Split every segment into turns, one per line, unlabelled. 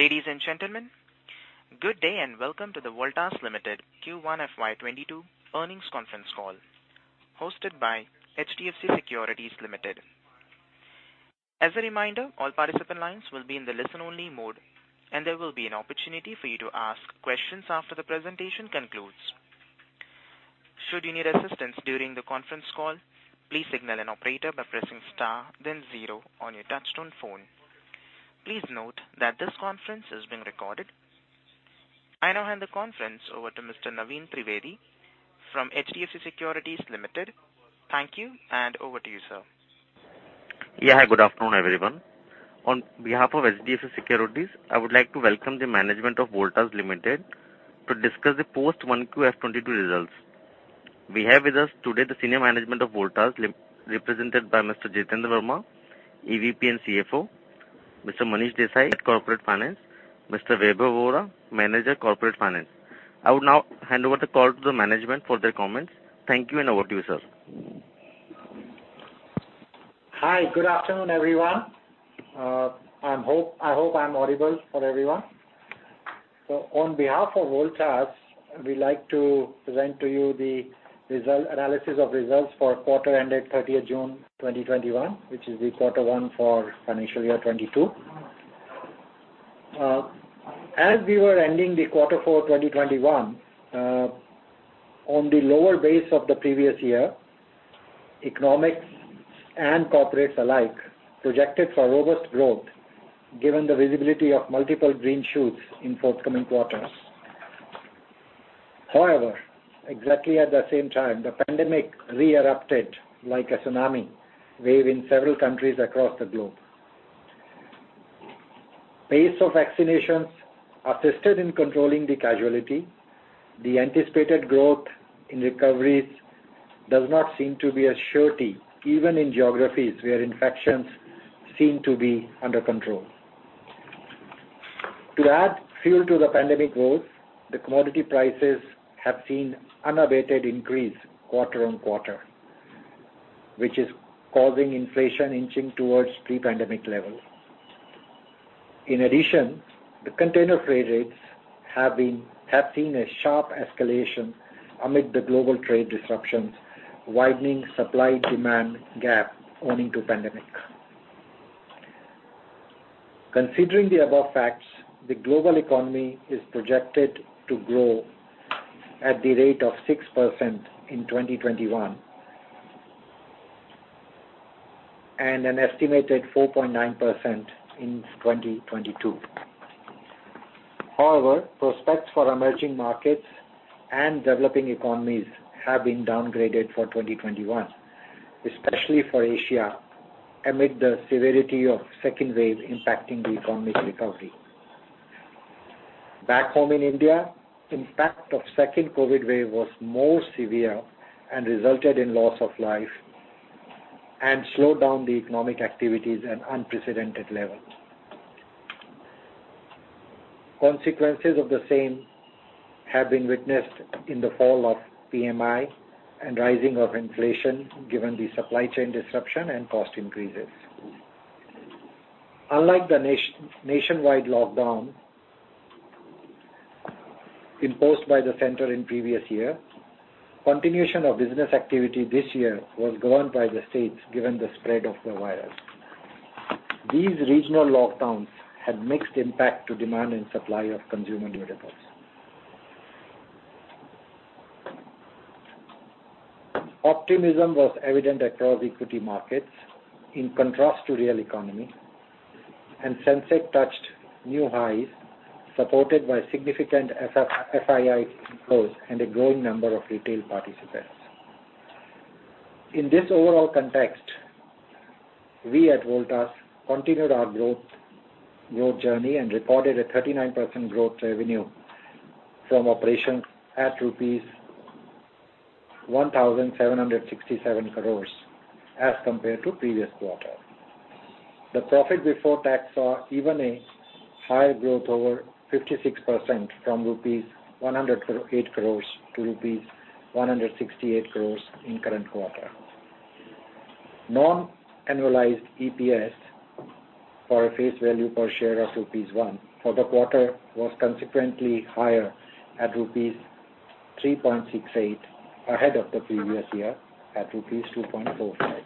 Ladies and gentlemen, good day and welcome to the Voltas Limited Q1 FY22 earnings conference call hosted by HDFC Securities Limited. As a reminder, all participant lines will be in the listen only mode, and there will be an opportunity for you to ask questions after the presentation concludes. I now hand the conference over to Mr. Naveen Trivedi from HDFC Securities Limited. Thank you, and over to you, sir.
Hi, good afternoon, everyone. On behalf of HDFC Securities, I would like to welcome the management of Voltas Limited to discuss the post Q1 FY22 results. We have with us today the senior management of Voltas, represented by Mr. Jitender Verma, EVP and CFO, Mr. Manish Desai at corporate finance, Mr. Vaibhav Vora, manager, corporate finance. I would now hand over the call to the management for their comments. Thank you, and over to you, sir.
Hi, good afternoon, everyone. I hope I'm audible for everyone. On behalf of Voltas, we'd like to present to you the analysis of results for quarter ending 30th June 2021, which is the quarter one for financial year 2022. As we were ending the quarter four 2021, on the lower base of the previous year, economics and corporates alike projected for robust growth given the visibility of multiple green shoots in forthcoming quarters. However, exactly at the same time, the pandemic re-erupted like a tsunami wave in several countries across the globe. Pace of vaccinations assisted in controlling the casualty. The anticipated growth in recoveries does not seem to be a surety, even in geographies where infections seem to be under control. To add fuel to the pandemic growth, the commodity prices have seen unabated increase quarter-on-quarter, which is causing inflation inching towards pre-pandemic levels. In addition, the container freight rates have seen a sharp escalation amid the global trade disruptions, widening supply-demand gap owing to pandemic. Considering the above facts, the global economy is projected to grow at the rate of 6% in 2021, and an estimated 4.9% in 2022. However, prospects for emerging markets and developing economies have been downgraded for 2021, especially for Asia, amid the severity of second wave impacting the economic recovery. Back home in India, impact of second COVID wave was more severe and resulted in loss of life and slowed down the economic activities at unprecedented level. Consequences of the same have been witnessed in the fall of PMI and rising of inflation, given the supply chain disruption and cost increases. Unlike the nationwide lockdown imposed by the center in previous year, continuation of business activity this year was governed by the states given the spread of the virus. These regional lockdowns had mixed impact to demand and supply of consumer durables. Optimism was evident across equity markets in contrast to real economy, and Sensex touched new highs, supported by significant FII flows and a growing number of retail participants. In this overall context, we at Voltas continued our growth journey and reported a 39% growth revenue from operations at rupees 1,767 crores as compared to previous quarter. The profit before tax saw even a higher growth, over 56%, from rupees 108 crores to rupees 168 crores in current quarter. Non-annualized EPS for a face value per share of rupees 1 for the quarter was consequently higher at rupees 3.68, ahead of the previous year at rupees 2.45.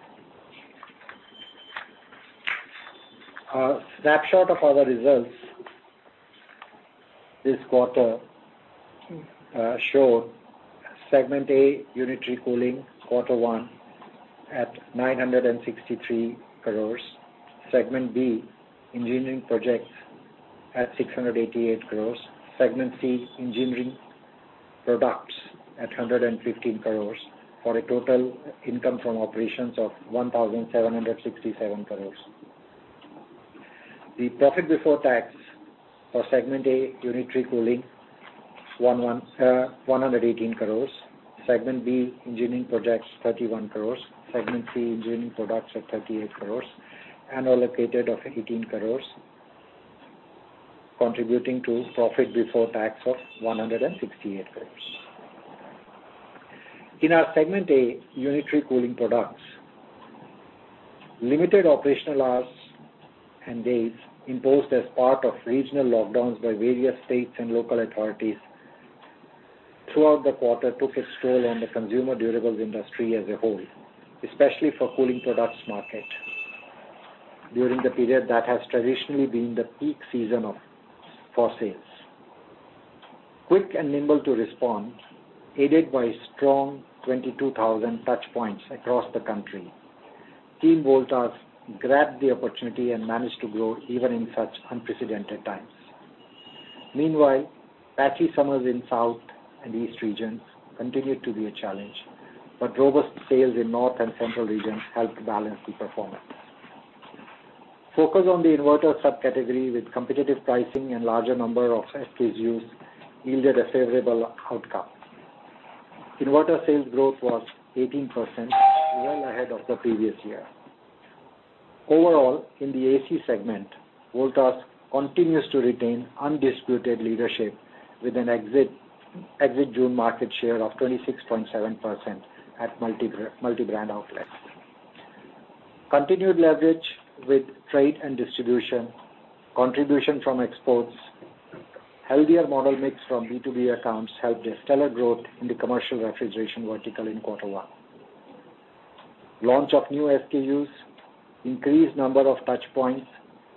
A snapshot of our results this quarter show Segment A, Unitary Cooling, quarter one at 963 crores. Segment B, Engineering Projects at 688 crores. Segment C, Engineering Products at 115 crores, for a total income from operations of 1,767 crores. The profit before tax for Segment A, Unitary Cooling, 118 crores. Segment B, Engineering Projects, 31 crores. Segment C, Engineering Products at 38 crores, and allocated of 18 crores, contributing to profit before tax of 168 crores. In our Segment A, Unitary Cooling Products, limited operational hours and days imposed as part of regional lockdowns by various states and local authorities throughout the quarter took its toll on the consumer durables industry as a whole, especially for cooling products market during the period that has traditionally been the peak season for sales. Quick and nimble to respond, aided by strong 22,000 touch points across the country, Team Voltas grabbed the opportunity and managed to grow even in such unprecedented times. Meanwhile, patchy summers in South and East regions continued to be a challenge, but robust sales in North and Central regions helped balance the performance. Focus on the inverter subcategory with competitive pricing and larger number of SKUs yielded a favorable outcome. Inverter sales growth was 18%, well ahead of the previous year. Overall, in the AC segment, Voltas continues to retain undisputed leadership with an exit June market share of 26.7% at multi-brand outlets. Continued leverage with trade and distribution, contribution from exports, healthier model mix from B2B accounts helped a stellar growth in the commercial refrigeration vertical in quarter one. Launch of new SKUs, increased number of touch points,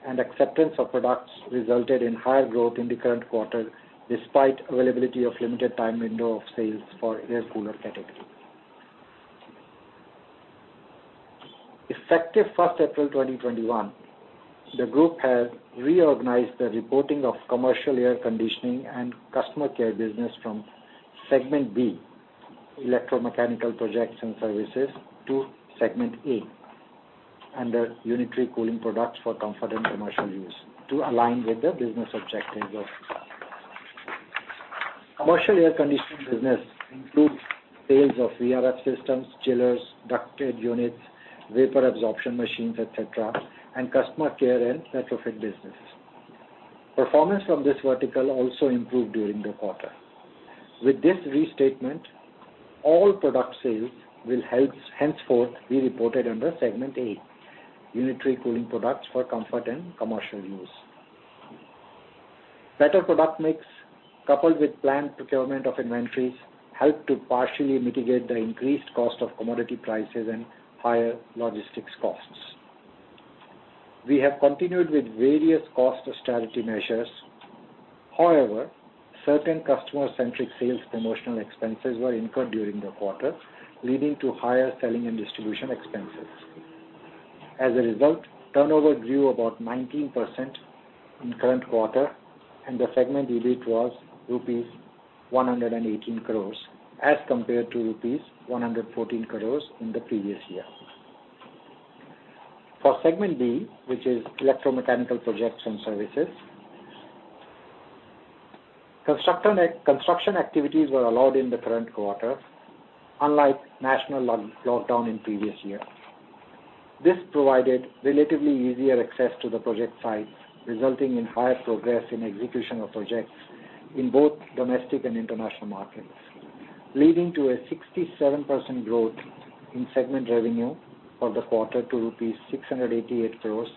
and acceptance of products resulted in higher growth in the current quarter, despite availability of limited time window of sales for air cooler category. Effective 1st April 2021, the group has reorganized the reporting of commercial air conditioning and customer care business from Segment B, Electro-Mechanical Projects and Services, to Segment A, Unitary Cooling Products for Comfort and Commercial Use, to align with the business objectives of the company. Commercial air conditioning business includes sales of VRF systems, chillers, ducted units, vapor absorption machines, et cetera, and customer care and retrofit businesses. Performance from this vertical also improved during the quarter. With this restatement, all product sales will henceforth be reported under Segment A, Unitary Cooling Products for Comfort and Commercial Use. Better product mix, coupled with planned procurement of inventories, helped to partially mitigate the increased cost of commodity prices and higher logistics costs. We have continued with various cost austerity measures. However, certain customer-centric sales promotional expenses were incurred during the quarter, leading to higher selling and distribution expenses. As a result, turnover grew about 19% in current quarter, and the segment EBIT was rupees 118 crores as compared to rupees 114 crores in the previous year. For Segment B, which is Electro-Mechanical Projects and Services, construction activities were allowed in the current quarter, unlike national lockdown in previous year. This provided relatively easier access to the project sites, resulting in higher progress in execution of projects in both domestic and international markets, leading to a 67% growth in segment revenue for the quarter to rupees 688 crores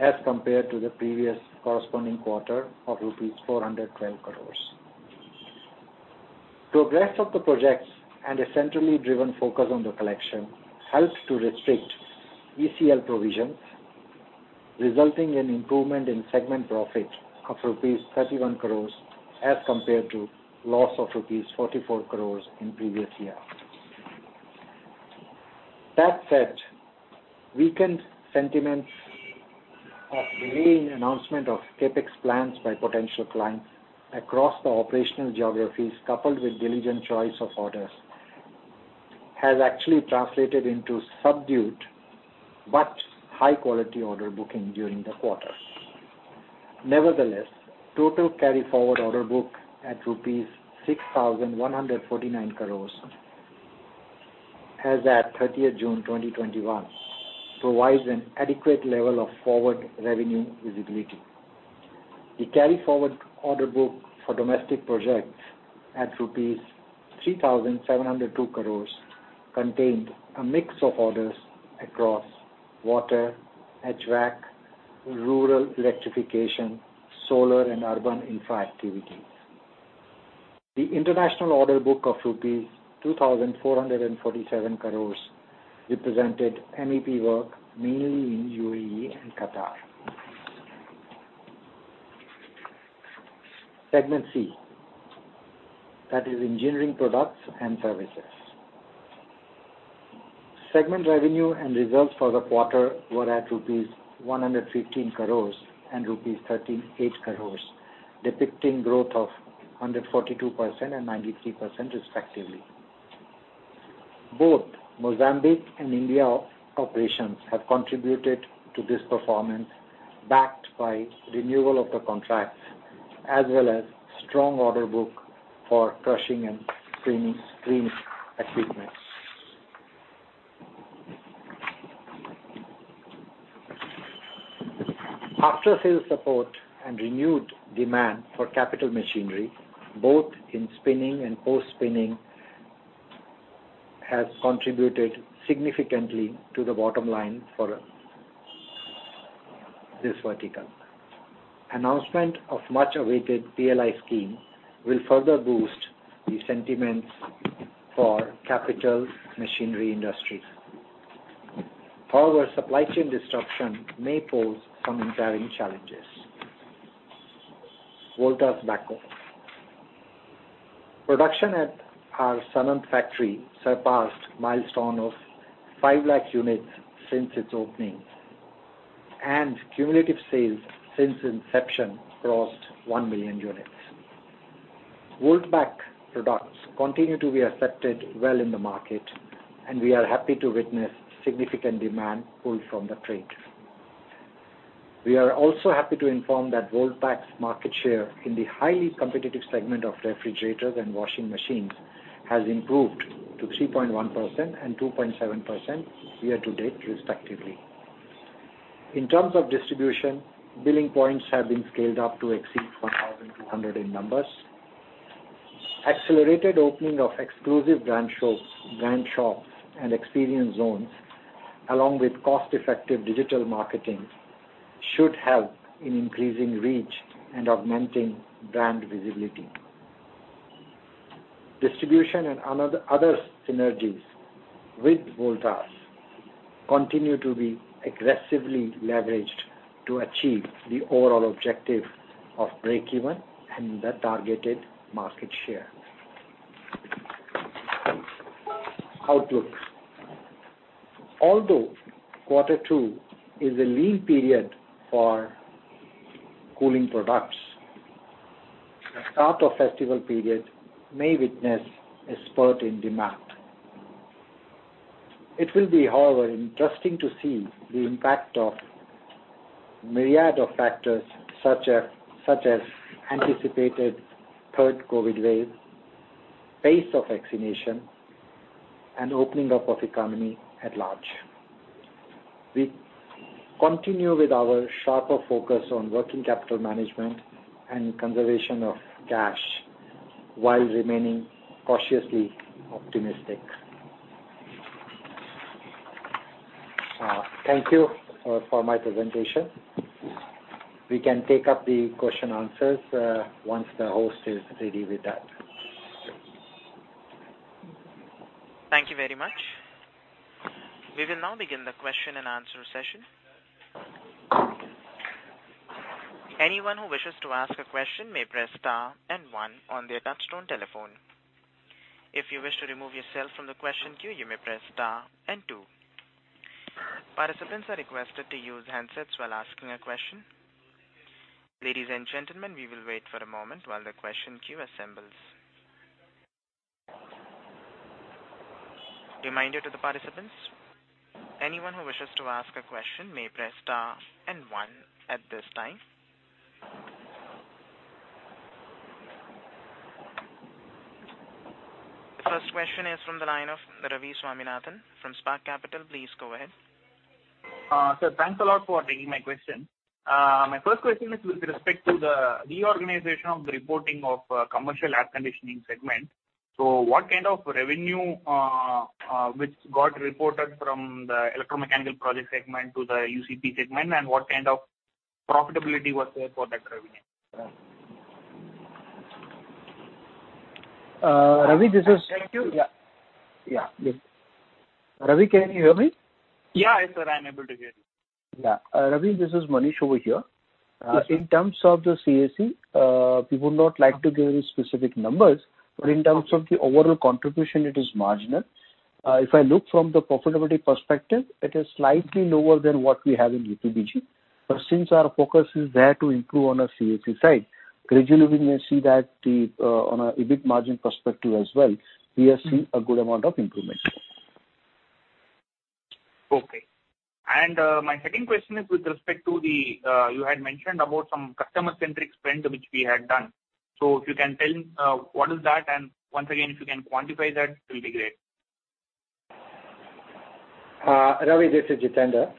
as compared to the previous corresponding quarter of rupees 412 crores. Progress of the projects and a centrally driven focus on the collection helped to restrict ECL provisions, resulting in improvement in segment profit of rupees 31 crores as compared to loss of rupees 44 crores in previous year. That said, weakened sentiments of delaying announcement of CapEx plans by potential clients across the operational geographies, coupled with diligent choice of orders, has actually translated into subdued but high quality order booking during the quarter. Nevertheless, total carry forward order book at rupees 6,149 crores as at 30th June 2021, provides an adequate level of forward revenue visibility. The carry forward order book for domestic projects at rupees 3,702 crores contained a mix of orders across water, HVAC, rural electrification, solar and urban infra activities. The international order book of rupees 2,447 crores represented MEP work mainly in UAE and Qatar. Segment C, that is Engineering Products and Services. Segment revenue and results for the quarter were at rupees 115 crores and rupees 38 crores, depicting growth of 142% and 93%, respectively. Both Mozambique and India operations have contributed to this performance, backed by renewal of the contracts as well as strong order book for crushing and screening equipment. After-sales support and renewed demand for capital machinery, both in spinning and post-spinning, has contributed significantly to the bottom line for this vertical. Announcement of much-awaited PLI scheme will further boost the sentiments for capital machinery industry. However, supply chain disruption may pose some inherent challenges. Voltas Beko. Production at our Sanand factory surpassed milestone of 5 lakh units since its opening, and cumulative sales since inception crossed 1 million units. Voltbek products continue to be accepted well in the market, and we are happy to witness significant demand pull from the trade. We are also happy to inform that Voltbek's market share in the highly competitive segment of refrigerators and washing machines has improved to 3.1% and 2.7% year-to-date, respectively. In terms of distribution, billing points have been scaled up to exceed 4,200 in numbers. Accelerated opening of exclusive brand shops and experience zones, along with cost-effective digital marketing, should help in increasing reach and augmenting brand visibility. Distribution and other synergies with Voltas continue to be aggressively leveraged to achieve the overall objective of breakeven and the targeted market share. Outlook. Although quarter two is a lean period for cooling products, the start of festival period may witness a spurt in demand. It will be, however, interesting to see the impact of myriad of factors, such as anticipated third COVID wave, pace of vaccination, and opening up of economy at large. We continue with our sharper focus on working capital management and conservation of cash while remaining cautiously optimistic. Thank you for my presentation. We can take up the question answers once the host is ready with that.
Thank you very much. We will now begin the question and answer session. Anyone who wishes to ask a question may press star and one on their touch tone telephone. If you wish to remove yourself from the question queue, you may press star and two. Participants are requested to use handsets while asking a question. Ladies and gentlemen, we will wait for a moment while the question queue assembles. Reminder to the participants. Anyone who wishes to ask a question may press star and one at this time. The first question is from the line of Ravi Swaminathan from Spark Capital. Please go ahead.
Sir, thanks a lot for taking my question. My first question is with respect to the reorganization of the reporting of commercial air conditioning segment. What kind of revenue which got reported from the electromechanical project segment to the UPBG segment, and what kind of profitability was there for that revenue?
Ravi, this is
Thank you.
Yeah. Ravi, can you hear me?
Yeah. Sir, I'm able to hear you.
Yeah. Ravi, this is Manish over here. In terms of the CAC, we would not like to give any specific numbers, but in terms of the overall contribution, it is marginal. If I look from the profitability perspective, it is slightly lower than what we have in UPBG. Since our focus is there to improve on our CAC side, gradually, we may see that on a EBIT margin perspective as well, we are seeing a good amount of improvement.
Okay. My second question is with respect to the you had mentioned about some customer-centric spend which we had done. If you can tell what is that? And once again, if you can quantify that, it will be great.
Ravi, this is Jitender.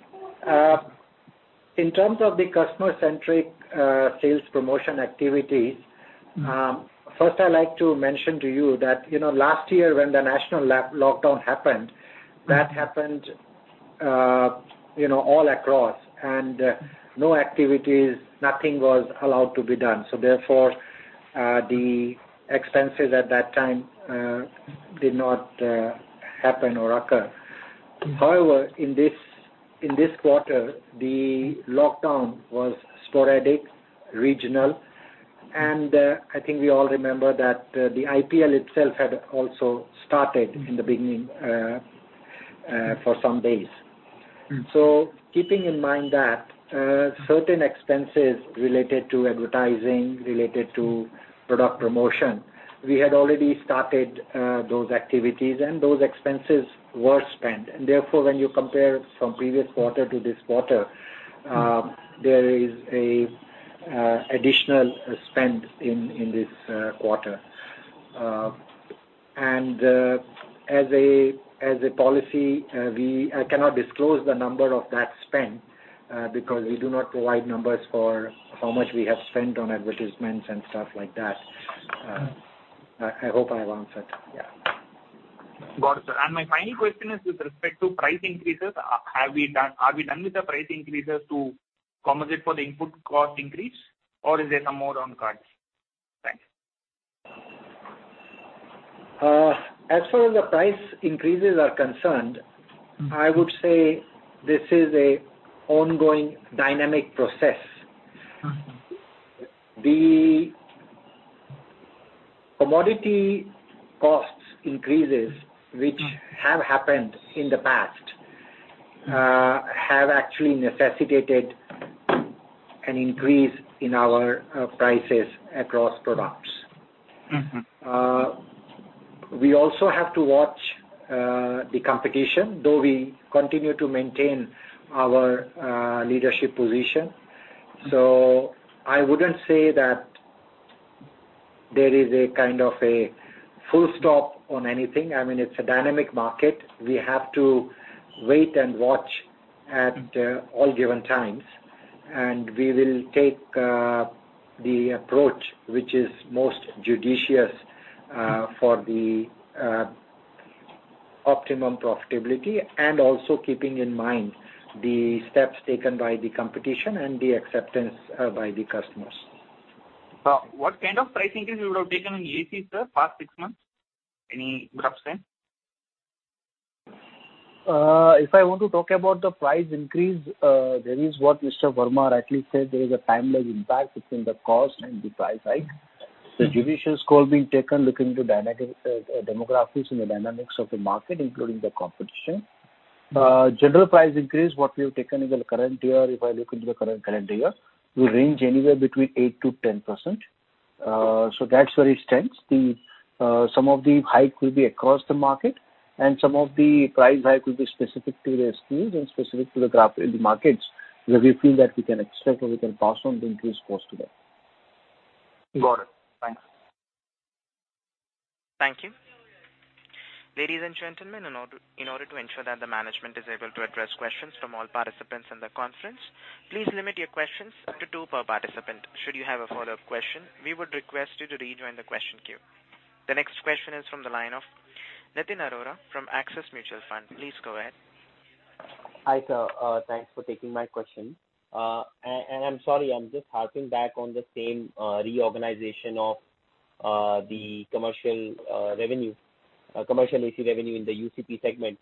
In terms of the customer-centric sales promotion activities, first I'd like to mention to you that last year when the national lockdown happened, that happened all across, and no activities, nothing was allowed to be done. Therefore, the expenses at that time did not happen or occur. However, in this quarter, the lockdown was sporadic, regional, and I think we all remember that the IPL itself had also started in the beginning for some days. Keeping in mind that certain expenses related to advertising, related to product promotion, we had already started those activities, and those expenses were spent. Therefore, when you compare from previous quarter to this quarter, there is a additional spend in this quarter. As a policy, I cannot disclose the number of that spend because we do not provide numbers for how much we have spent on advertisements and stuff like that. I hope I have answered.
Got it, sir. My final question is with respect to price increases. Are we done with the price increases to compensate for the input cost increase, or is there some more on the cards? Thanks.
As far as the price increases are concerned, I would say this is an ongoing dynamic process. The commodity cost increases, which have happened in the past, have actually necessitated an increase in our prices across products. We also have to watch the competition, though we continue to maintain our leadership position. I wouldn't say that there is a kind of a full stop on anything. It's a dynamic market. We have to wait and watch at all given times, and we will take the approach which is most judicious for the optimum profitability, and also keeping in mind the steps taken by the competition and the acceptance by the customers.
What kind of price increase you would have taken in AC, sir, past six months? Any rough strength?
If I want to talk about the price increase, there is what Mr. Verma rightly said, there is a timeline impact between the cost and the price hike. The judicious call being taken looking to demographics and the dynamics of the market, including the competition. General price increase, what we have taken in the current year, if I look into the current year, will range anywhere between 8%-10%. That's where it stands. Some of the hike will be across the market, and some of the price hike will be specific to the SKUs and specific to the markets where we feel that we can accept or we can pass on the increased cost to them.
Got it. Thanks.
Thank you. Ladies and gentlemen, in order to ensure that the management is able to address questions from all participants in the conference, please limit your questions up to two per participant. Should you have a follow-up question, we would request you to rejoin the question queue. The next question is from the line of Nitin Arora from Axis Mutual Fund. Please go ahead.
Hi, sir. Thanks for taking my question. I'm sorry, I'm just harping back on the same reorganization of the commercial AC revenue in the UCP segment.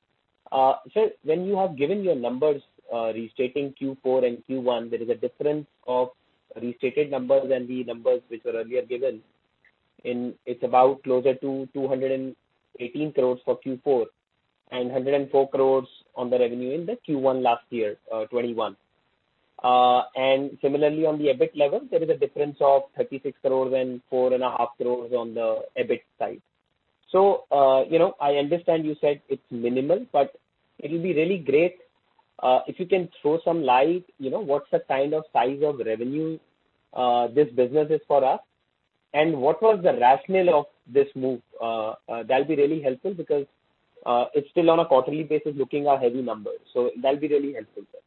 Sir, when you have given your numbers restating Q4 and Q1, there is a difference of restated numbers and the numbers which were earlier given, and it's about closer to 218 crores for Q4 and 104 crores on the revenue in the Q1 last year, FY 2021. Similarly, on the EBIT level, there is a difference of 36 crores and 4.5 crores on the EBIT side. I understand you said it's minimal, but it will be really great if you can throw some light, what's the kind of size of revenue this business is for us, and what was the rationale of this move? That'll be really helpful because it's still on a quarterly basis looking at heavy numbers. THat'll be really helpful, sir.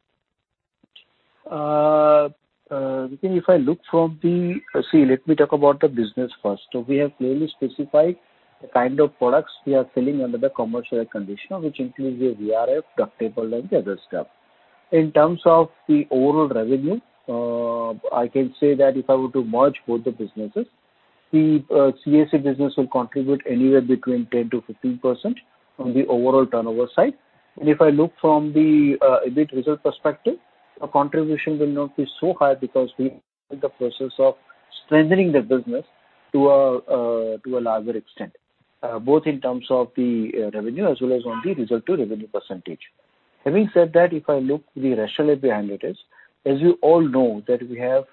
Nitin Arora, let me talk about the business first. We have clearly specified the kind of products we are selling under the commercial air conditioner, which includes your VRF, ductable, and the other stuff. In terms of the overall revenue, I can say that if I were to merge both the businesses, the CAC business will contribute anywhere between 10%-15% on the overall turnover side. If I look from the EBIT result perspective, our contribution will not be so high because we are in the process of strengthening the business to a larger extent, both in terms of the revenue as well as on the result to revenue percentage. Having said that, if I look the rationale behind it is, as you all know, that we have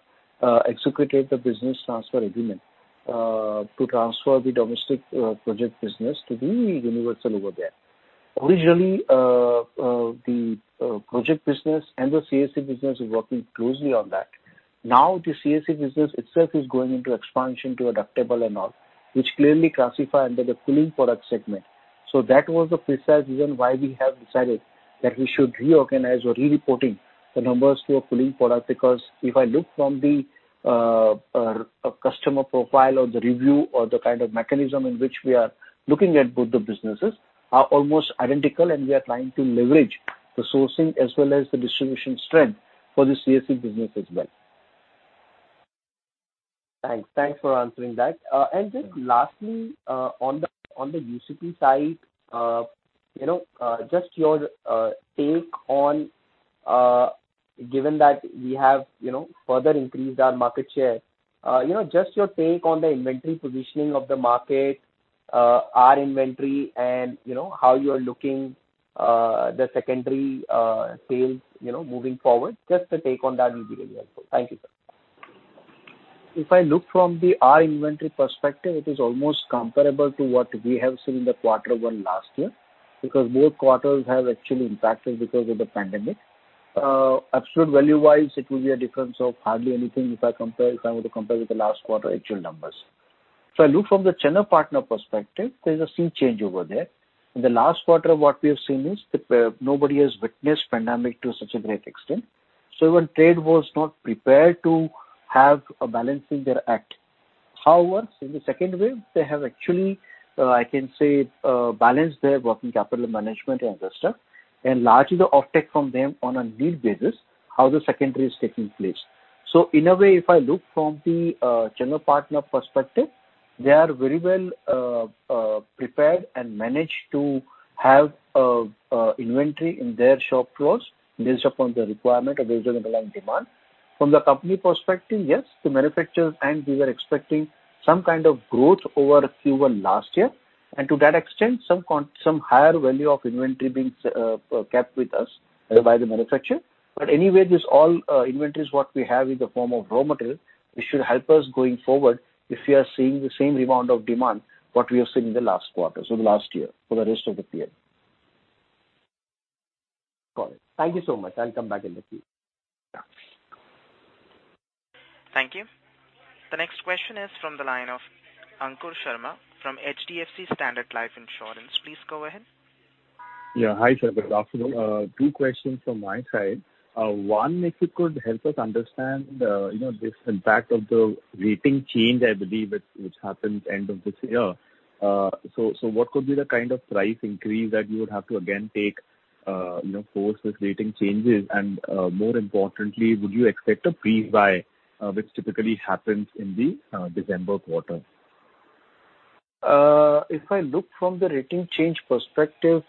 executed the business transfer agreement to transfer the domestic project business to the Universal over there. Originally, the project business and the CAC Business is working closely on that. The CAC Business itself is going into expansion to adaptable and all, which clearly classify under the cooling product segment. That was the precise reason why we have decided that we should reorganize or re-reporting the numbers to a cooling product because if I look from the customer profile or the review or the kind of mechanism in which we are looking at both the businesses are almost identical, and we are trying to leverage the sourcing as well as the distribution strength for the CAC Business as well.
Thanks for answering that. Lastly, on the UPBG side, given that we have further increased our market share, just your take on the inventory positioning of the market, our inventory, and how you are looking the secondary sales moving forward? Just a take on that will be really helpful. Thank you, sir.
If I look from our inventory perspective, it is almost comparable to what we have seen in the Q1 last year, because both quarters have actually impacted because of the pandemic. Absolute value-wise, it will be a difference of hardly anything if I were to compare with the last quarter actual numbers. If I look from the channel partner perspective, there's a sea change over there. In the last quarter, what we have seen is that nobody has witnessed pandemic to such a great extent. Even trade was not prepared to have a balance in their act. However, in the second wave, they have actually, I can say, balanced their working capital management and other stuff, and largely the offtake from them on a need basis, how the secondary is taking place. In a way, if I look from the channel partner perspective, they are very well prepared and managed to have inventory in their shop floors based upon the requirement available and demand. From the company perspective, yes, the manufacturers and we were expecting some kind of growth over Q1 last year. To that extent, some higher value of inventory being kept with us by the manufacturer. Anyway, this all inventories what we have in the form of raw material, which should help us going forward if we are seeing the same amount of demand, what we have seen in the last quarter, so the last year, for the rest of the year.
Got it. Thank you so much. I'll come back in the queue.
Thank you. The next question is from the line of Ankur Sharma from HDFC Standard Life Insurance. Please go ahead.
Yeah. Hi, sir. Good afternoon. Few questions from my side. One, if you could help us understand the impact of the rating change, I believe, which happened end of this year. What could be the kind of price increase that you would have to again take post this rating changes and, more importantly, would you expect a pre-buy, which typically happens in the December quarter?
If I look from the rating change perspective,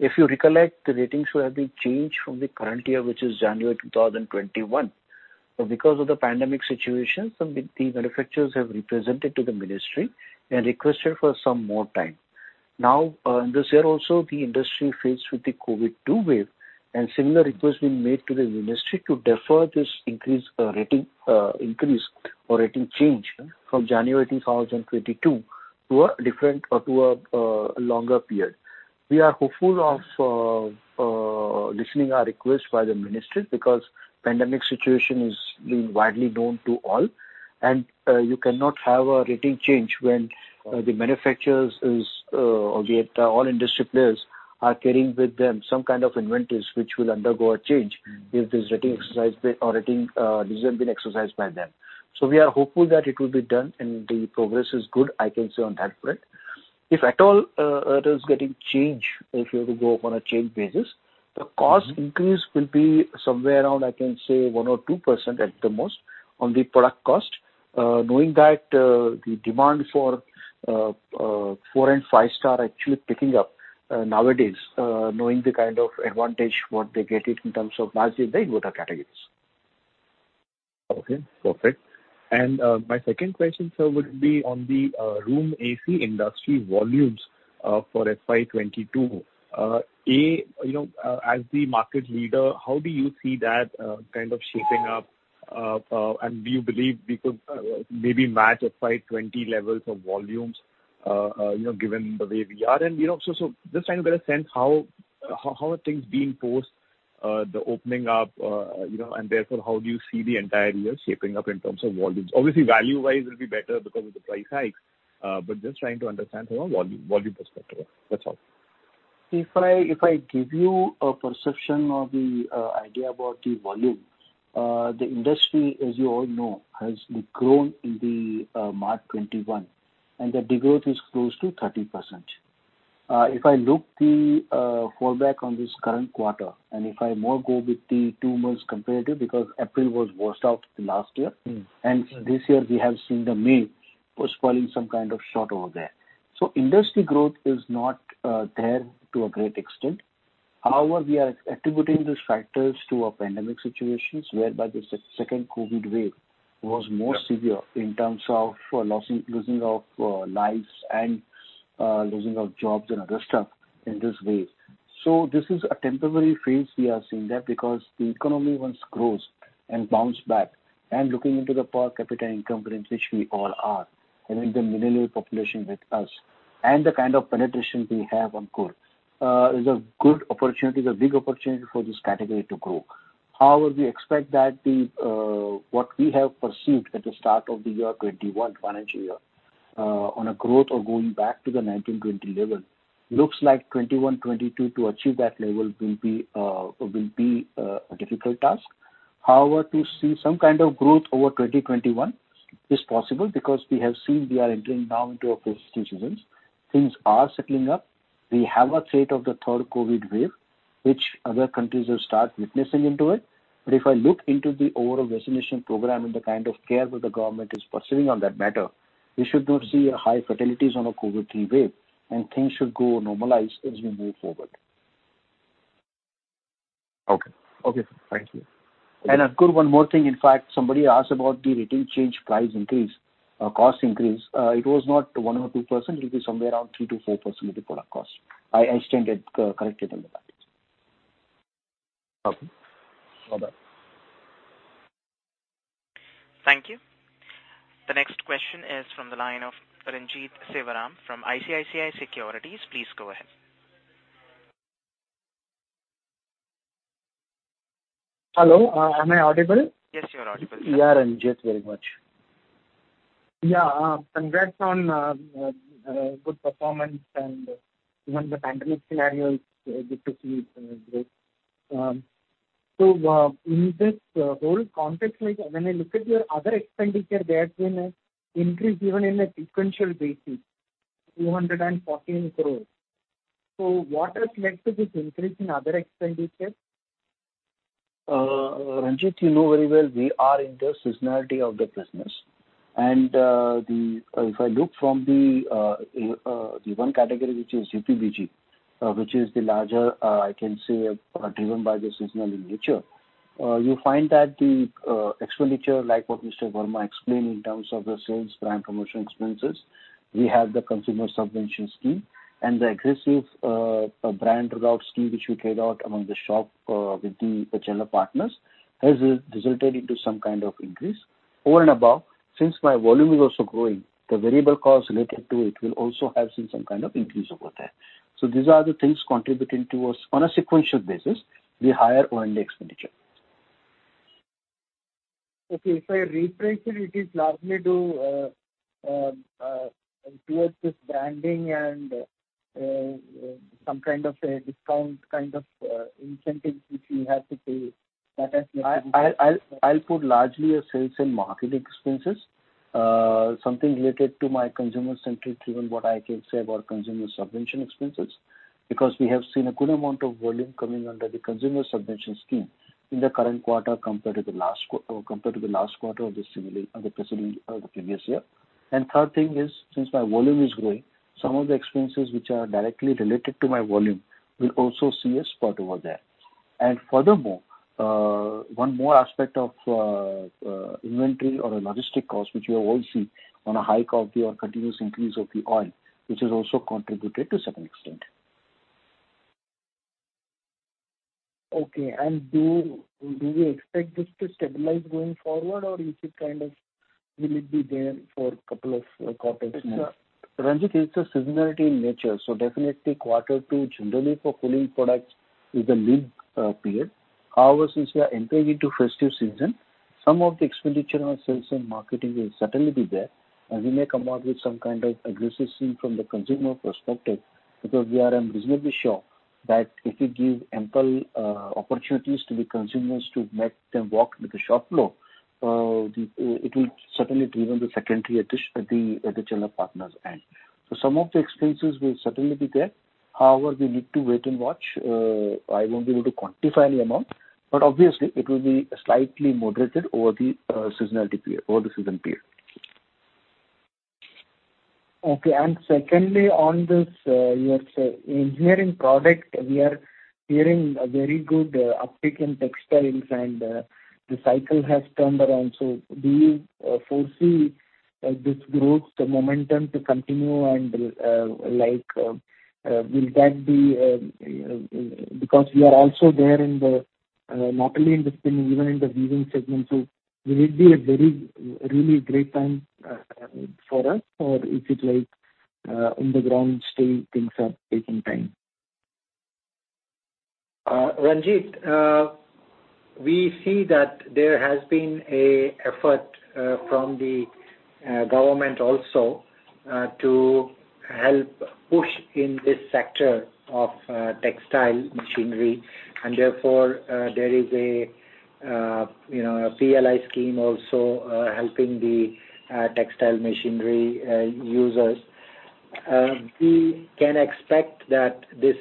if you recollect, the ratings would have been changed from the current year, which is January 2021. Because of the pandemic situation, the manufacturers have represented to the ministry and requested for some more time. Now, in this year also, the industry faced with the COVID-2 wave, and similar request been made to the ministry to defer this increase or rating change from January 2022 to a longer period. We are hopeful of listening our request by the ministry because pandemic situation is being widely known to all, and you cannot have a rating change when the manufacturers or all industry players are carrying with them some kind of inventories which will undergo a change if this rating exercise or rating decision been exercised by them. We are hopeful that it will be done, and the progress is good, I can say on that front. If at all it is getting change, if you have to go up on a change basis, the cost increase will be somewhere around, I can say, 1% or 2% at the most on the product cost. Knowing that the demand for 4 and 5 star actually picking up nowadays, knowing the kind of advantage what they get it in terms of margin, they go the categories.
Okay, perfect. My second question, sir, would be on the Room AC industry volumes for FY 2022. As the market leader, how do you see that kind of shaping up? Do you believe we could maybe match a FY 2020 levels of volumes, given the way we are? Just trying to get a sense how are things being post the opening up, and therefore, how do you see the entire year shaping up in terms of volumes? Obviously, value-wise will be better because of the price hikes. Just trying to understand from a volume perspective. That's all.
If I give you a perception of the idea about the volume, the industry, as you all know, has grown in the March 2021, and the degrowth is close to 30%. If I look the fallback on this current quarter, and if I more go with the two months comparative, because April was washed out the last year, and this year we have seen the May was falling some kind of short over there. Industry growth is not there to a great extent. However, we are attributing these factors to a pandemic situations whereby the second COVID wave was more severe in terms of losing of lives and losing of jobs and other stuff in this wave. This is a temporary phase we are seeing there because the economy once grows and bounce back, and looking into the per capita income range which we all are, having the millennial population with us, and the kind of penetration we have on cool is a good opportunity, is a big opportunity for this category to grow. However, we expect that what we have pursued at the start of the year 2021, financial year, on a growth or going back to the 1920 level, looks like 2021-2022 to achieve that level will be a difficult task. However, to see some kind of growth over 2021 is possible because we have seen we are entering now into a phase seasons. Things are settling up. We have a threat of the third COVID wave, which other countries have start witnessing into it. If I look into the overall vaccination program and the kind of care where the government is pursuing on that matter, we should not see a high fatalities on a COVID-3 wave, and things should go normalize as we move forward.
Okay. Okay, sir. Thank you.
Ankur, one more thing. In fact, somebody asked about the rating change price increase, cost increase. It was not 1% or 2%, it will be somewhere around 3%-4% of the product cost. I stand corrected on that.
Okay.
Thank you. The next question is from the line of Renjith Sivaram from ICICI Securities. Please go ahead.
Hello, am I audible?
Yes, you are audible, sir.
Renjith, very much.
Yeah. Congrats on good performance even the pandemic scenario, it's good to see it grow. In this whole context, like when I look at your other expenditure, there's been an increase even in a sequential basis, 214 crore. What has led to this increase in other expenditure?
Renjith, you know very well we are in the seasonality of the business. If I look from the one category, which is EPBG, which is the larger, I can say, driven by the seasonality nature, you find that the expenditure, like what Mr. Verma explained in terms of the sales brand promotion expenses, we have the consumer subvention scheme and the aggressive brand rollout scheme, which we carried out among the shop with the channel partners, has resulted into some kind of increase. Over and above, since my volume is also growing, the variable costs related to it will also have seen some kind of increase over there. These are the things contributing towards, on a sequential basis, the higher [O&M] expenditures.
Okay. If I rephrase it is largely towards this branding and some kind of a discount kind of incentive which you have to pay. That has led to this.
I'll put largely a sales and marketing expenses, something related to my consumer-centric driven, what I can say, about consumer subvention expenses, because we have seen a good amount of volume coming under the consumer subvention scheme in the current quarter compared to the last quarter of the previous year. Third thing is, since my volume is growing, some of the expenses which are directly related to my volume will also see a spurt over there. Furthermore, one more aspect of inventory or logistic cost, which you have all seen on a hike of the or continuous increase of the oil, which has also contributed to certain extent.
Okay. Do you expect this to stabilize going forward, or will it be there for a couple of quarters more?
Renjith, it's a seasonality in nature, definitely quarter two generally for cooling products is a lean period. However, since we are entering into festive season, some of the expenditure on sales and marketing will certainly be there, and we may come out with some kind of aggressive scheme from the consumer perspective, because we are reasonably sure that if we give ample opportunities to the consumers to make them walk into the shop floor, it will certainly driven the secondary at the channel partners end. Some of the expenses will certainly be there. However, we need to wait and watch. I won't be able to quantify any amount, but obviously it will be slightly moderated over the season period.
Okay. Secondly on this, your engineering product, we are hearing a very good uptick in textiles and the cycle has turned around. Do you foresee this growth momentum to continue and because we are also there not only in the spinning, even in the weaving segment. Will it be a really great time for us, or is it like on the ground still things are taking time?
Renjith, we see that there has been an effort from the government also to help push in this sector of textile machinery and therefore there is a PLI scheme also helping the textile machinery users. We can expect that this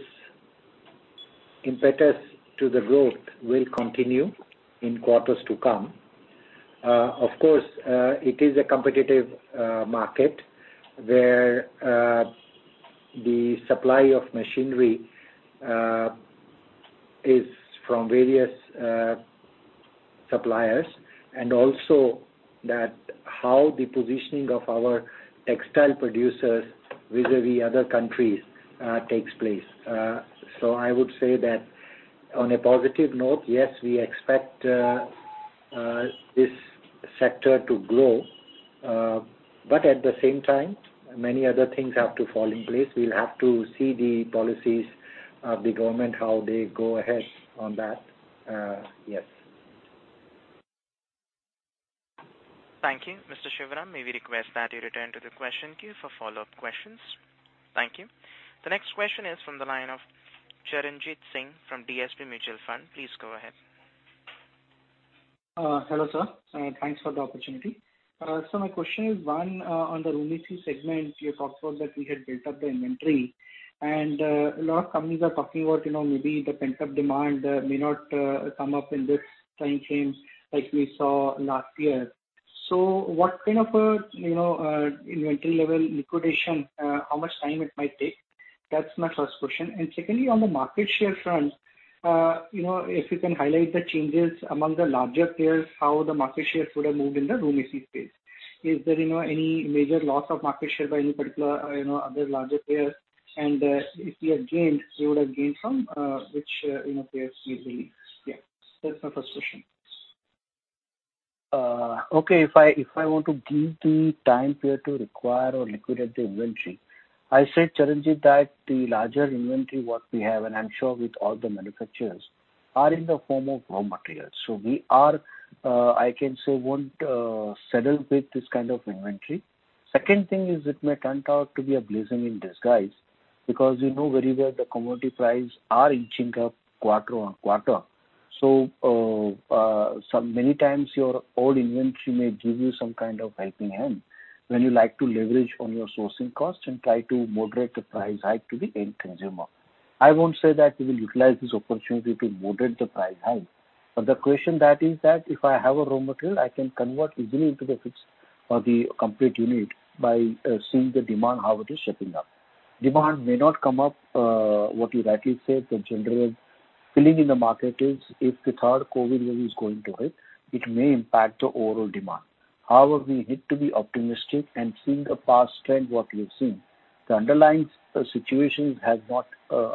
impetus to the growth will continue in quarters to come. Of course, it is a competitive market where the supply of machinery is from various suppliers and also that how the positioning of our textile producers vis-a-vis other countries takes place. I would say that on a positive note, yes, we expect this sector to grow, but at the same time, many other things have to fall in place. We'll have to see the policies of the government, how they go ahead on that. Yes.
Thank you. Mr. Shivaram, may we request that you return to the question queue for follow-up questions? Thank you. The next question is from the line of Charanjit Singh from DSP Mutual Fund. Please go ahead.
Hello, sir. Thanks for the opportunity. My question is, one, on the Room AC segment, you talked about that we had built up the inventory and a lot of companies are talking about maybe the pent-up demand may not come up in this time frame like we saw last year. What kind of inventory level liquidation, how much time it might take? That's my first question. Secondly, on the market share front, if you can highlight the changes among the larger players, how the market share would have moved in the Room AC space. Is there any major loss of market share by any particular other larger player? If you have gained, you would have gained from which players usually? Yeah, that's my first question.
Okay. If I want to give the time period to require or liquidate the inventory, I say, Charanjit, that the larger inventory what we have, and I'm sure with all the manufacturers, are in the form of raw materials. We are, I can say, won't settle with this kind of inventory. Second thing is it may turn out to be a blessing in disguise because you know very well the commodity prices are inching up quarter-on-quarter. Many times your old inventory may give you some kind of helping hand when you like to leverage on your sourcing cost and try to moderate the price hike to the end consumer. I won't say that we will utilize this opportunity to moderate the price hike. The question that is that if I have a raw material, I can convert easily into the fixed or the complete unit by seeing the demand how it is shaping up. Demand may not come up, what you rightly said, the general feeling in the market is if the third COVID wave is going to hit, it may impact the overall demand. We need to be optimistic and seeing the past trend what we have seen. The underlying situation has not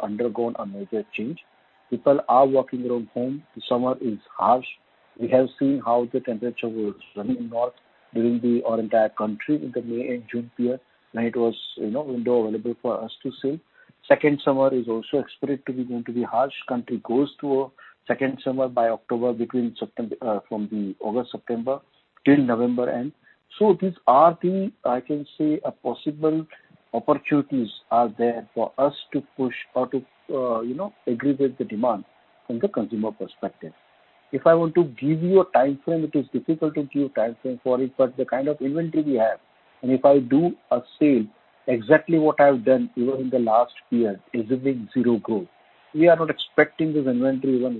undergone a major change. People are working from home. The summer is harsh. We have seen how the temperature was running north during our entire country in the May and June period when it was window available for us to sell. Second summer is also expected to be going to be harsh. Country goes through a second summer by October, from the August-September till November end. These are the, I can say, possible opportunities are there for us to push or to aggregate the demand from the consumer perspective. If I want to give you a timeframe, it is difficult to give timeframe for it. The kind of inventory we have, and if I do a sale, exactly what I have done even in the last year is a big zero growth. We are not expecting this inventory even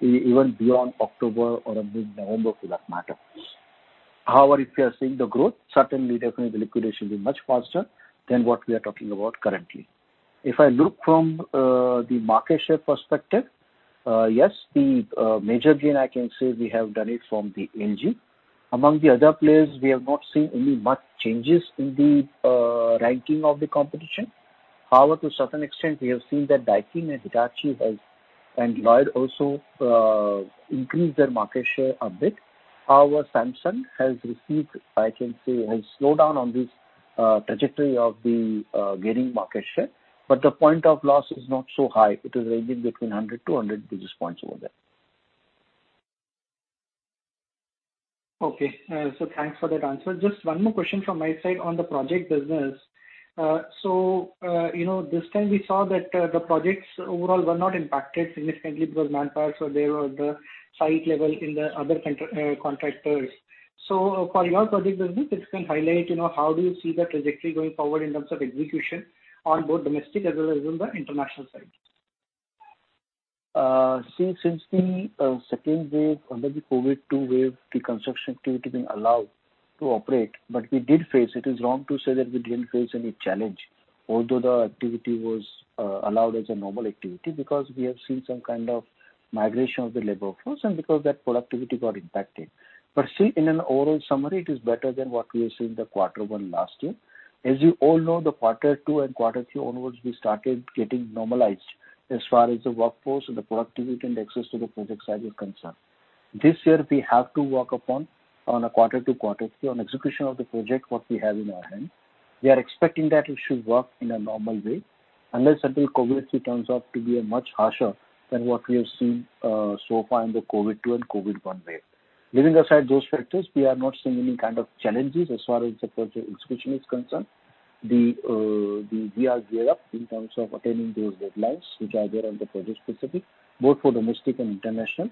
beyond October or mid-November for that matter. However, if we are seeing the growth, certainly, definitely the liquidation will be much faster than what we are talking about currently. If I look from the market share perspective, yes, the major gain I can say we have done it from the LG. Among the other players, we have not seen any much changes in the ranking of the competition. However, to certain extent, we have seen that Daikin and Hitachi and Lloyd also increased their market share a bit. However, Samsung has received, I can say, has slowed down on this trajectory of the gaining market share, but the point of loss is not so high. It is ranging between 100-200 basis points over there.
Okay. Thanks for that answer. Just one more question from my side on the project business. This time we saw that the projects overall were not impacted significantly because manpower, so they were the site level in the other contractors. For your project business, if you can highlight how do you see the trajectory going forward in terms of execution on both domestic as well as on the international side?
Since the second wave under the COVID-2 wave, the construction activity been allowed to operate. We did face it. It is wrong to say that we didn't face any challenge, although the activity was allowed as a normal activity because we have seen some kind of migration of the labor force and because that productivity got impacted. Still in an overall summary, it is better than what we have seen the quarter one last year. As you all know, the quarter two and quarter three onwards, we started getting normalized as far as the workforce and the productivity and the access to the project site is concerned. This year we have to work upon on a quarter two to quarter three on execution of the project what we have in our hand. We are expecting that it should work in a normal way unless until COVID-3 turns out to be a much harsher than what we have seen so far in the COVID-2 and COVID-1 wave. Leaving aside those factors, we are not seeing any kind of challenges as far as the project execution is concerned. We are geared up in terms of attaining those deadlines which are there on the project-specific, both for domestic and international.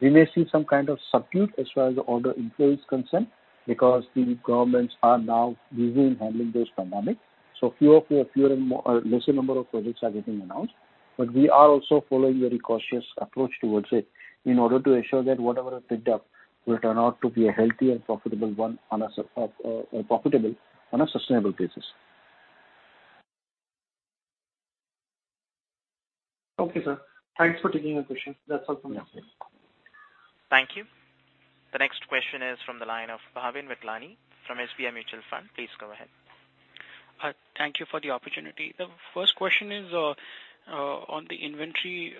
We may see some kind of substitute as far as the order inflow is concerned because the governments are now busy in handling this pandemic, so lesser number of projects are getting announced. We are also following very cautious approach towards it in order to ensure that whatever is picked up will turn out to be a healthy and profitable one on a sustainable basis.
Okay, sir. Thanks for taking my question. That is all from my side.
Thank you. The next question is from the line of Bhavin Vithlani from SBI Mutual Fund. Please go ahead.
Thank you for the opportunity. The first question is on the inventory.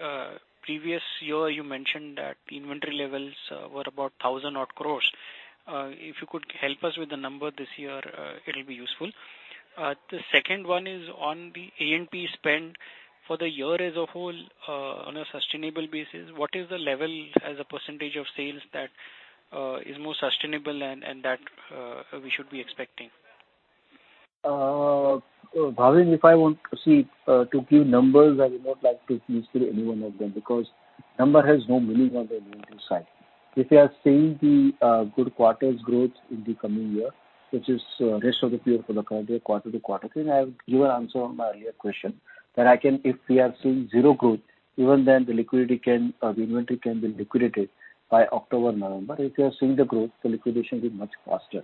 Previous year you mentioned that the inventory levels were about 1,000 odd crores. If you could help us with the number this year, it'll be useful. The second one is on the A&P spend for the year as a whole on a sustainable basis. What is the level as a percentage of sales that is most sustainable and that we should be expecting?
Bhavin, if I want to see to give numbers, I would not like to disclose any one of them because number has no meaning on the inventory side. If we are seeing the good quarters growth in the coming year, which is rest of the period for the current year quarter to quarter three, and I have given answer on my earlier question that if we are seeing zero growth, even then the inventory can be liquidated by October, November. If you are seeing the growth, the liquidation will be much faster.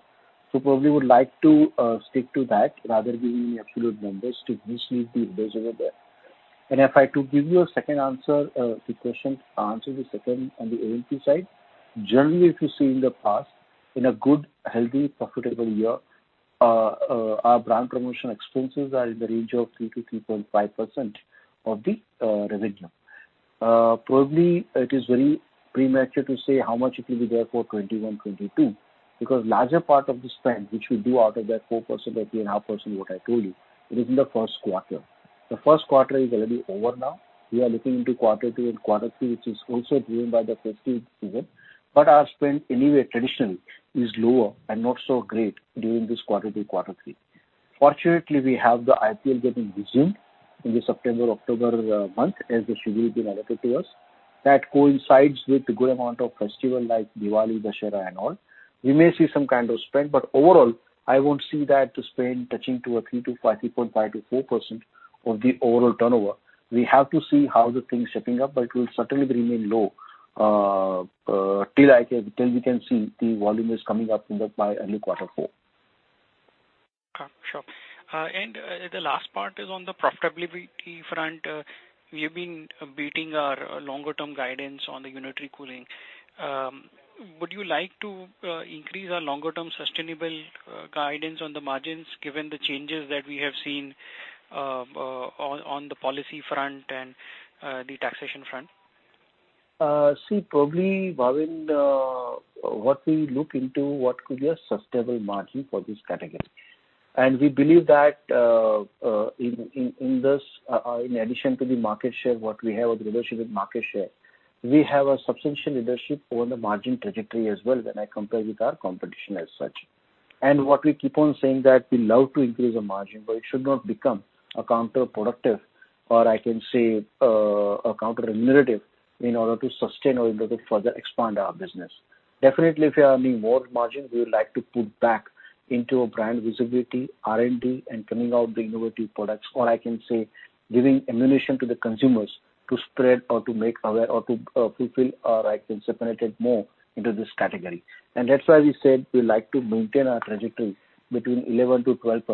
Probably would like to stick to that rather giving you absolute numbers to mislead the investors over there. If I have to give you a second answer to the question, I'll answer the second on the A&P side. Generally, if you see in the past, in a good, healthy, profitable year, our brand promotion expenses are in the range of 3%-3.5% of the revenue. Probably, it is very premature to say how much it will be there for 2021-2022, because larger part of the spend, which we do out of that 4% and 3.5% what I told you, it is in the first quarter. The first quarter is already over now. We are looking into quarter two and quarter three, which is also driven by the festival season. Our spend anyway traditionally is lower and not so great during this quarter two, quarter three. Fortunately, we have the IPL getting resumed in the September, October month as the schedule has been allotted to us. That coincides with good amount of festival like Diwali, Dussehra, and all. We may see some kind of spend, but overall, I won't see that spend touching to a 3.5%-4% of the overall turnover. We have to see how the thing is shaping up, but it will certainly remain low till we can see the volume is coming up in early quarter four.
Sure. The last part is on the profitability front. We've been beating our longer-term guidance on the unitary cooling. Would you like to increase our longer-term sustainable guidance on the margins given the changes that we have seen on the policy front and the taxation front?
See, probably, Bhavin, what we look into what could be a sustainable margin for this category. We believe that in addition to the market share, what we have with relationship with market share, we have a substantial leadership on the margin trajectory as well when I compare with our competition as such. What we keep on saying that we love to increase our margin, but it should not become a counterproductive or I can say, a counter narrative in order to sustain or in order to further expand our business. Definitely, if we are having more margin, we would like to put back into brand visibility, R&D, and coming out with innovative products, or I can say, giving ammunition to the consumers to spread or to make aware or to fulfill or I can say penetrate more into this category. That's why we said we like to maintain our trajectory between 11%-12%.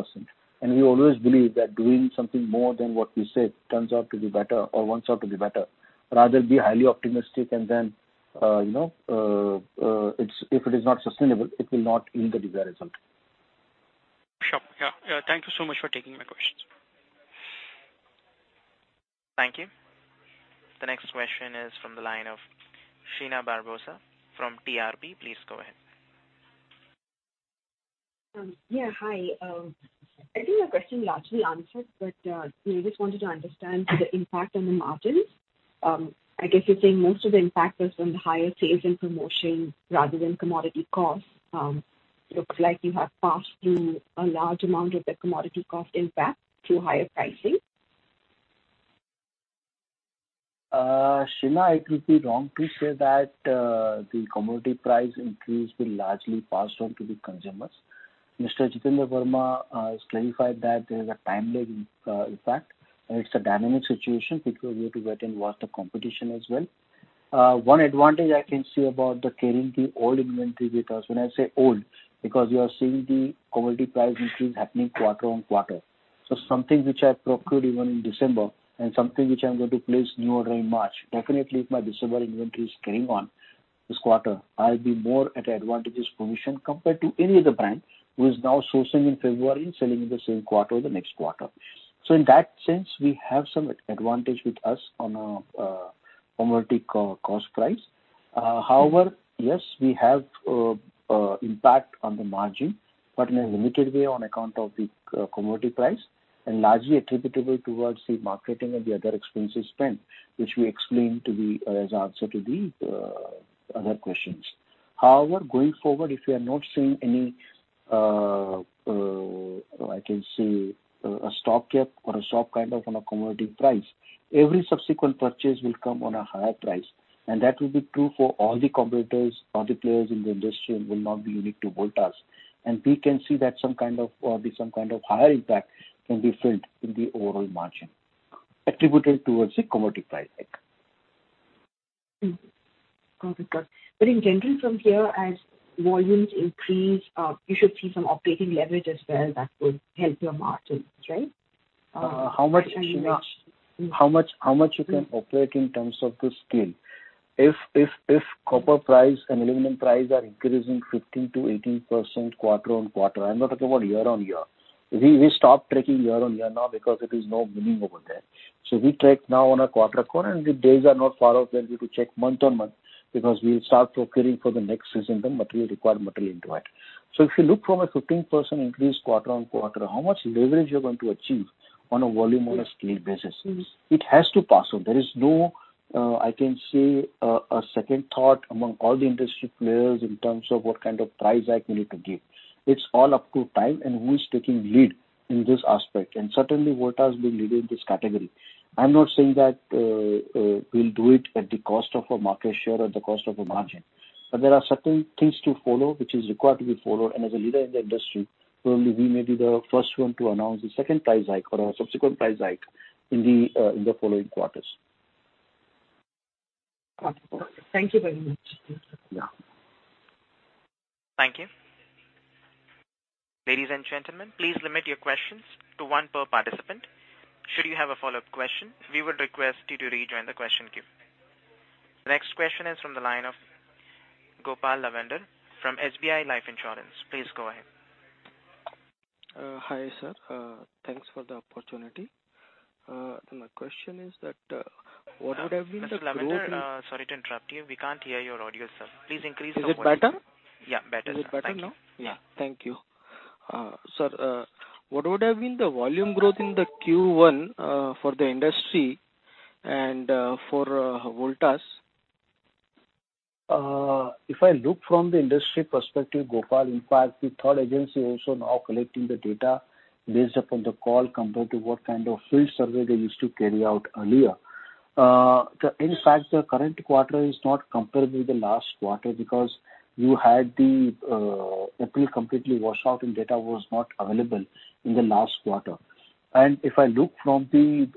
We always believe that doing something more than what we said turns out to be better or works out to be better, rather be highly optimistic and then if it is not sustainable, it will not yield the desired result.
Sure. Yeah. Thank you so much for taking my questions.
Thank you. The next question is from the line of Sheena Barbosa from TRP. Please go ahead.
Yeah. Hi. I think our question is largely answered. We just wanted to understand the impact on the margins. I guess you're saying most of the impact was from the higher sales and promotion rather than commodity costs. Looks like you have passed through a large amount of the commodity cost impact through higher pricing.
Sheena, it will be wrong to say that the commodity price increase will largely pass on to the consumers. Mr. Jitender Verma has clarified that there is a time lag impact. It's a dynamic situation which we have to get and watch the competition as well. One advantage I can say about the carrying the old inventory with us, when I say old, because you are seeing the commodity price increase happening quarter on quarter. Something which I procured even in December, and something which I'm going to place new order in March, definitely if my December inventory is carrying on this quarter, I'll be more at advantageous position compared to any other brand who is now sourcing in February and selling in the same quarter or the next quarter. In that sense, we have some advantage with us on a commodity cost price. Yes, we have impact on the margin, but in a limited way on account of the commodity price and largely attributable towards the marketing and the other expenses spent, which we explained as answer to the other questions. Going forward, if we are not seeing any, I can say, a shock yet or a sharp kind of on a commodity price, every subsequent purchase will come on a higher price. That will be true for all the competitors, all the players in the industry and will not be unique to Voltas. We can see that some kind of higher impact can be felt in the overall margin attributable towards the commodity price hike.
Got it. In general from here, as volumes increase, you should see some operating leverage as well that would help your margins, right?
How much you can operate in terms of the scale. If copper price and aluminum price are increasing 15%-18% quarter-on-quarter, I'm not talking about year-on-year. We stopped tracking year-on-year now because it is no meaning over there. We track now on a quarter-on-quarter, and the days are not far off when we have to check month-on-month because we'll start procuring for the next season the material required material into it. If you look from a 15% increase quarter-on-quarter, how much leverage you're going to achieve on a volume on a scale basis? It has to pass on. There is no, I can say, a second thought among all the industry players in terms of what kind of price hike we need to give. It's all up to time and who's taking lead in this aspect. Certainly, Voltas being leader in this category. I'm not saying that we'll do it at the cost of our market share or the cost of our margin, but there are certain things to follow, which is required to be followed. As a leader in the industry, probably we may be the first one to announce the second price hike or a subsequent price hike in the following quarters.
Got it. Thank you very much.
Thank you. Ladies and gentlemen, please limit your questions to one per participant. Should you have a follow-up question, we would request you to rejoin the question queue. Next question is from the line of Gopal Nawandhar from SBI Life Insurance. Please go ahead.
Hi, sir. Thanks for the opportunity. My question is that, what would have been the growth.
Mr. Nawandhar, sorry to interrupt you. We can't hear your audio, sir. Please increase the volume.
Is it better?
Yeah, better sir.
Is it better now?
Yeah.
Yeah. Thank you. Sir, what would have been the volume growth in the Q1 for the industry and for Voltas?
If I look from the industry perspective, Gopal, in fact, the third agency also now collecting the data based upon the call compared to what kind of field survey they used to carry out earlier. In fact, the current quarter is not comparable with the last quarter because you had the April completely washed out and data was not available in the last quarter. If I look from the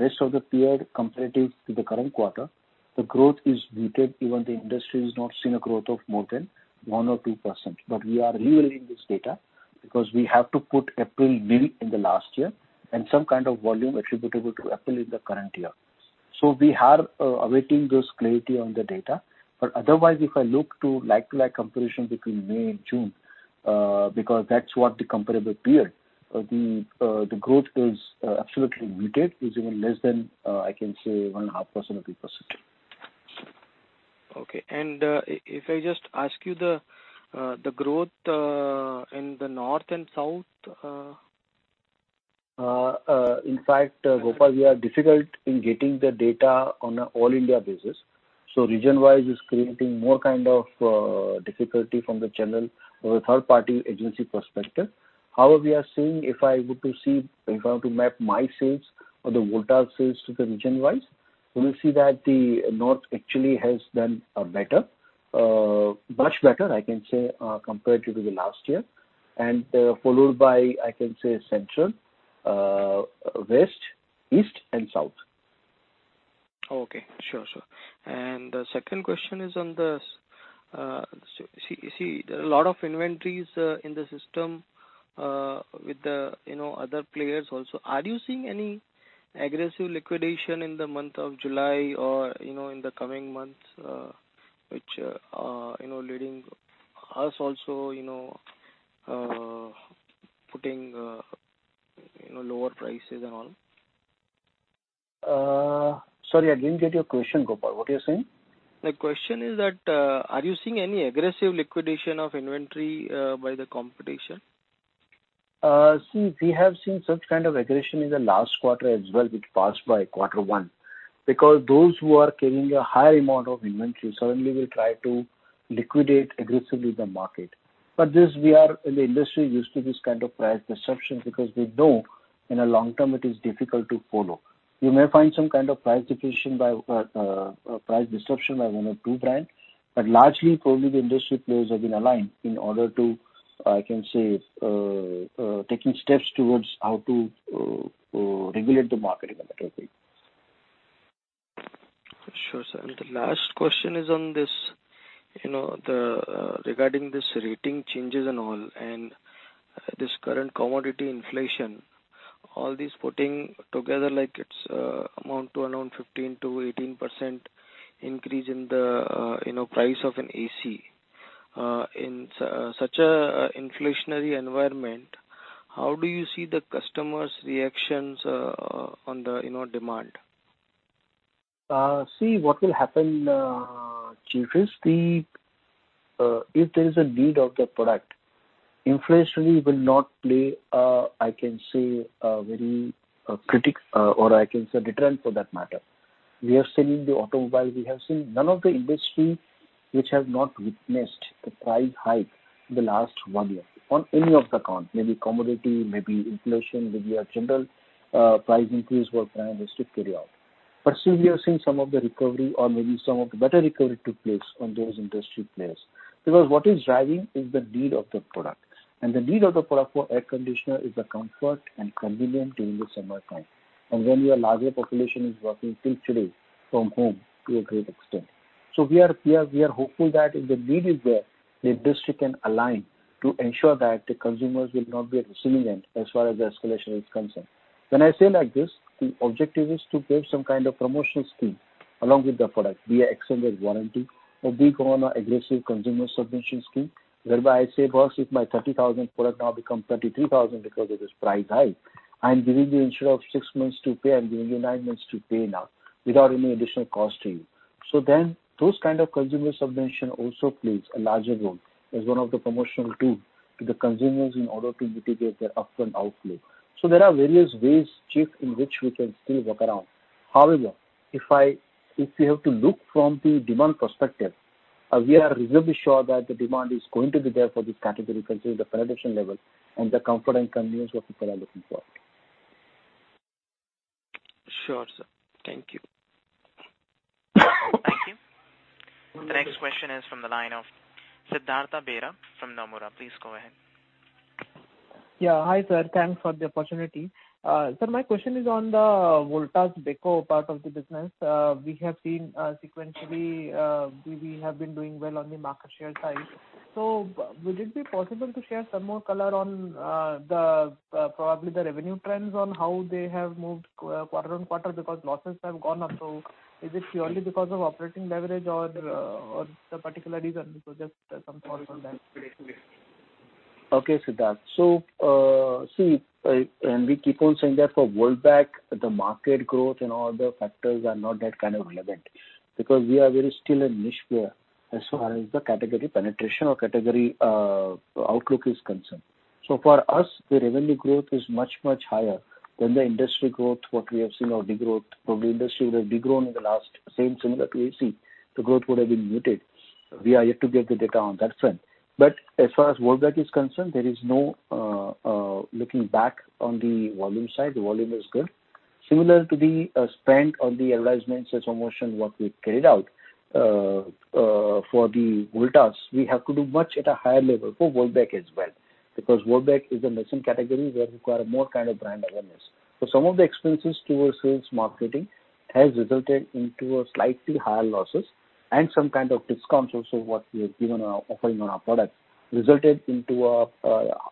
rest of the period comparative to the current quarter, the growth is muted, even the industry has not seen a growth of more than 1% or 2%. We are re-weighting this data because we have to put April bill in the last year and some kind of volume attributable to April in the current year. We are awaiting this clarity on the data. Otherwise, if I look to like-to-like comparison between May and June, because that's what the comparable period, the growth is absolutely muted, is even less than, I can say, 1.5% or 3%.
Okay. If I just ask you the growth in the North and South?
Gopal, we are difficult in getting the data on an all-India basis. Region-wise is creating more kind of difficulty from the channel or a third-party agency perspective. However, we are seeing if I were to map my sales or the Voltas sales to the region-wise, we will see that the North actually has done better. Much better, I can say, compared to the last year, followed by, I can say, Central, West, East, and South.
Okay. Sure, sir. Second question is on this. See, there are a lot of inventories in the system with the other players also. Are you seeing any aggressive liquidation in the month of July or in the coming months, which are leading us also putting lower prices and all?
Sorry, I didn't get your question, Gopal. What are you saying?
The question is that, are you seeing any aggressive liquidation of inventory by the competition?
We have seen such kind of aggression in the last quarter as well, which passed by quarter one, because those who are carrying a higher amount of inventory certainly will try to liquidate aggressively the market. This, we are in the industry used to this kind of price disruptions because we know in a long term it is difficult to follow. You may find some kind of price disruption by one or two brands, largely, probably the industry players have been aligned in order to, I can say, taking steps towards how to regulate the market in a better way.
Sure, sir. The last question is regarding this rating changes and all, and this current commodity inflation, all this putting together like it's amount to around 15% to 18% increase in the price of an AC. In such a inflationary environment, how do you see the customers' reactions on the demand?
What will happen, Chief, is if there is a need of the product, inflationary will not play a, I can say, very critical, or I can say deterrent for that matter. We are seeing in the automobile, we have seen none of the industry which has not witnessed a price hike in the last one year on any of the count, maybe commodity, maybe inflation, maybe a general price increase were planned and carried out. Still, we are seeing some of the recovery or maybe some of the better recovery took place on those industry players. What is driving is the need of the product. The need of the product for air conditioner is the comfort and convenience during the summertime. When your larger population is working till today from home to a great extent. We are hopeful that if the need is there, the industry can align to ensure that the consumers will not be at the receiving end as far as the escalation is concerned. When I say like this, the objective is to give some kind of promotional scheme along with the product. Be it extended warranty or be it on an aggressive consumer subvention scheme, whereby I say, Boss, if my 30,000 product now becomes 33,000 because of this price hike, I am giving the consumer six months to pay, I'm giving you nine months to pay now without any additional cost to you. Those kind of consumer subvention also plays a larger role as one of the promotional tools to the consumers in order to mitigate their upfront outflow. There are various ways, Chief, in which we can still work around. If we have to look from the demand perspective, we are reasonably sure that the demand is going to be there for this category considering the penetration level and the comfort and convenience what people are looking for.
Sure, sir. Thank you.
Thank you. The next question is from the line of Siddhartha Bera from Nomura. Please go ahead.
Yeah. Hi, sir. Thanks for the opportunity. Sir, my question is on the Voltas Beko part of the business. We have seen sequentially, we have been doing well on the market share side. Would it be possible to share some more color on probably the revenue trends on how they have moved quarter-on-quarter? Because losses have gone up. Is it surely because of operating leverage or the particular reason? Just some thoughts on that.
Okay, Siddharth. See, we keep on saying that for Voltas, the market growth and all the factors are not that kind of relevant because we are very still in niche player as far as the category penetration or category outlook is concerned. For us, the revenue growth is much, much higher than the industry growth, what we have seen our degrowth. Probably industry would have degrown in the last same similar to AC, the growth would have been muted. We are yet to get the data on that front. As far as Voltas is concerned, there is no looking back on the volume side. The volume is good. Similar to the spend on the advertisements, sales promotion what we carried out for the Voltas, we have to do much at a higher level for Voltas as well. Voltas is a nascent category where require more kind of brand awareness. Some of the expenses towards sales marketing has resulted into a slightly higher losses and some kind of discounts also what we have given or offering on our product resulted into,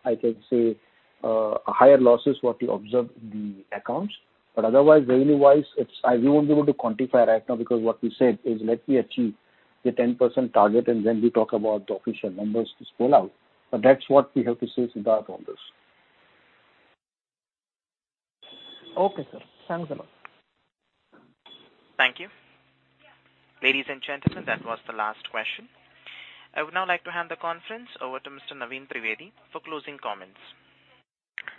I can say, higher losses what we observed in the accounts. Otherwise revenue-wise, we won't be able to quantify right now because what we said is let we achieve the 10% target and then we talk about the official numbers to roll out. That's what we have to say, Siddhartha, on this.
Okay, sir. Thanks a lot.
Thank you. Ladies and gentlemen, that was the last question. I would now like to hand the conference over to Mr. Naveen Trivedi for closing comments.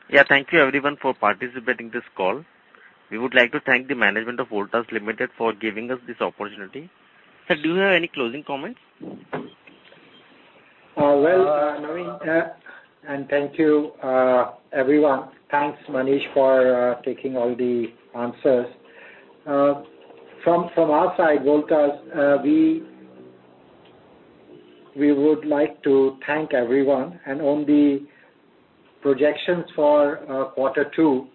Yeah. Thank you everyone for participating this call. We would like to thank the management of Voltas Limited for giving us this opportunity. Sir, do you have any closing comments?
Well, Naveen, and thank you everyone. Thanks, Manish, for taking all the answers. From our side, Voltas, we would like to thank everyone and on the projections for quarter two,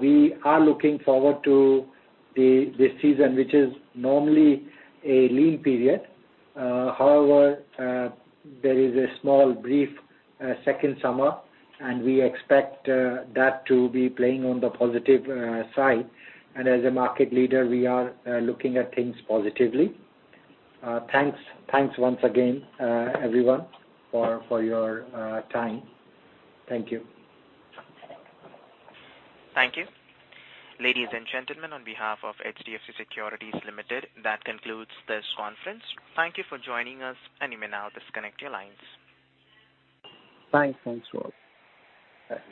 we are looking forward to the season, which is normally a lean period. However, there is a small brief second summer, and we expect that to be playing on the positive side. As a market leader, we are looking at things positively. Thanks once again, everyone, for your time. Thank you.
Thank you. Ladies and gentlemen, on behalf of HDFC Securities Limited, that concludes this conference. Thank you for joining us and you may now disconnect your lines. Thanks.
Thanks to all. Bye.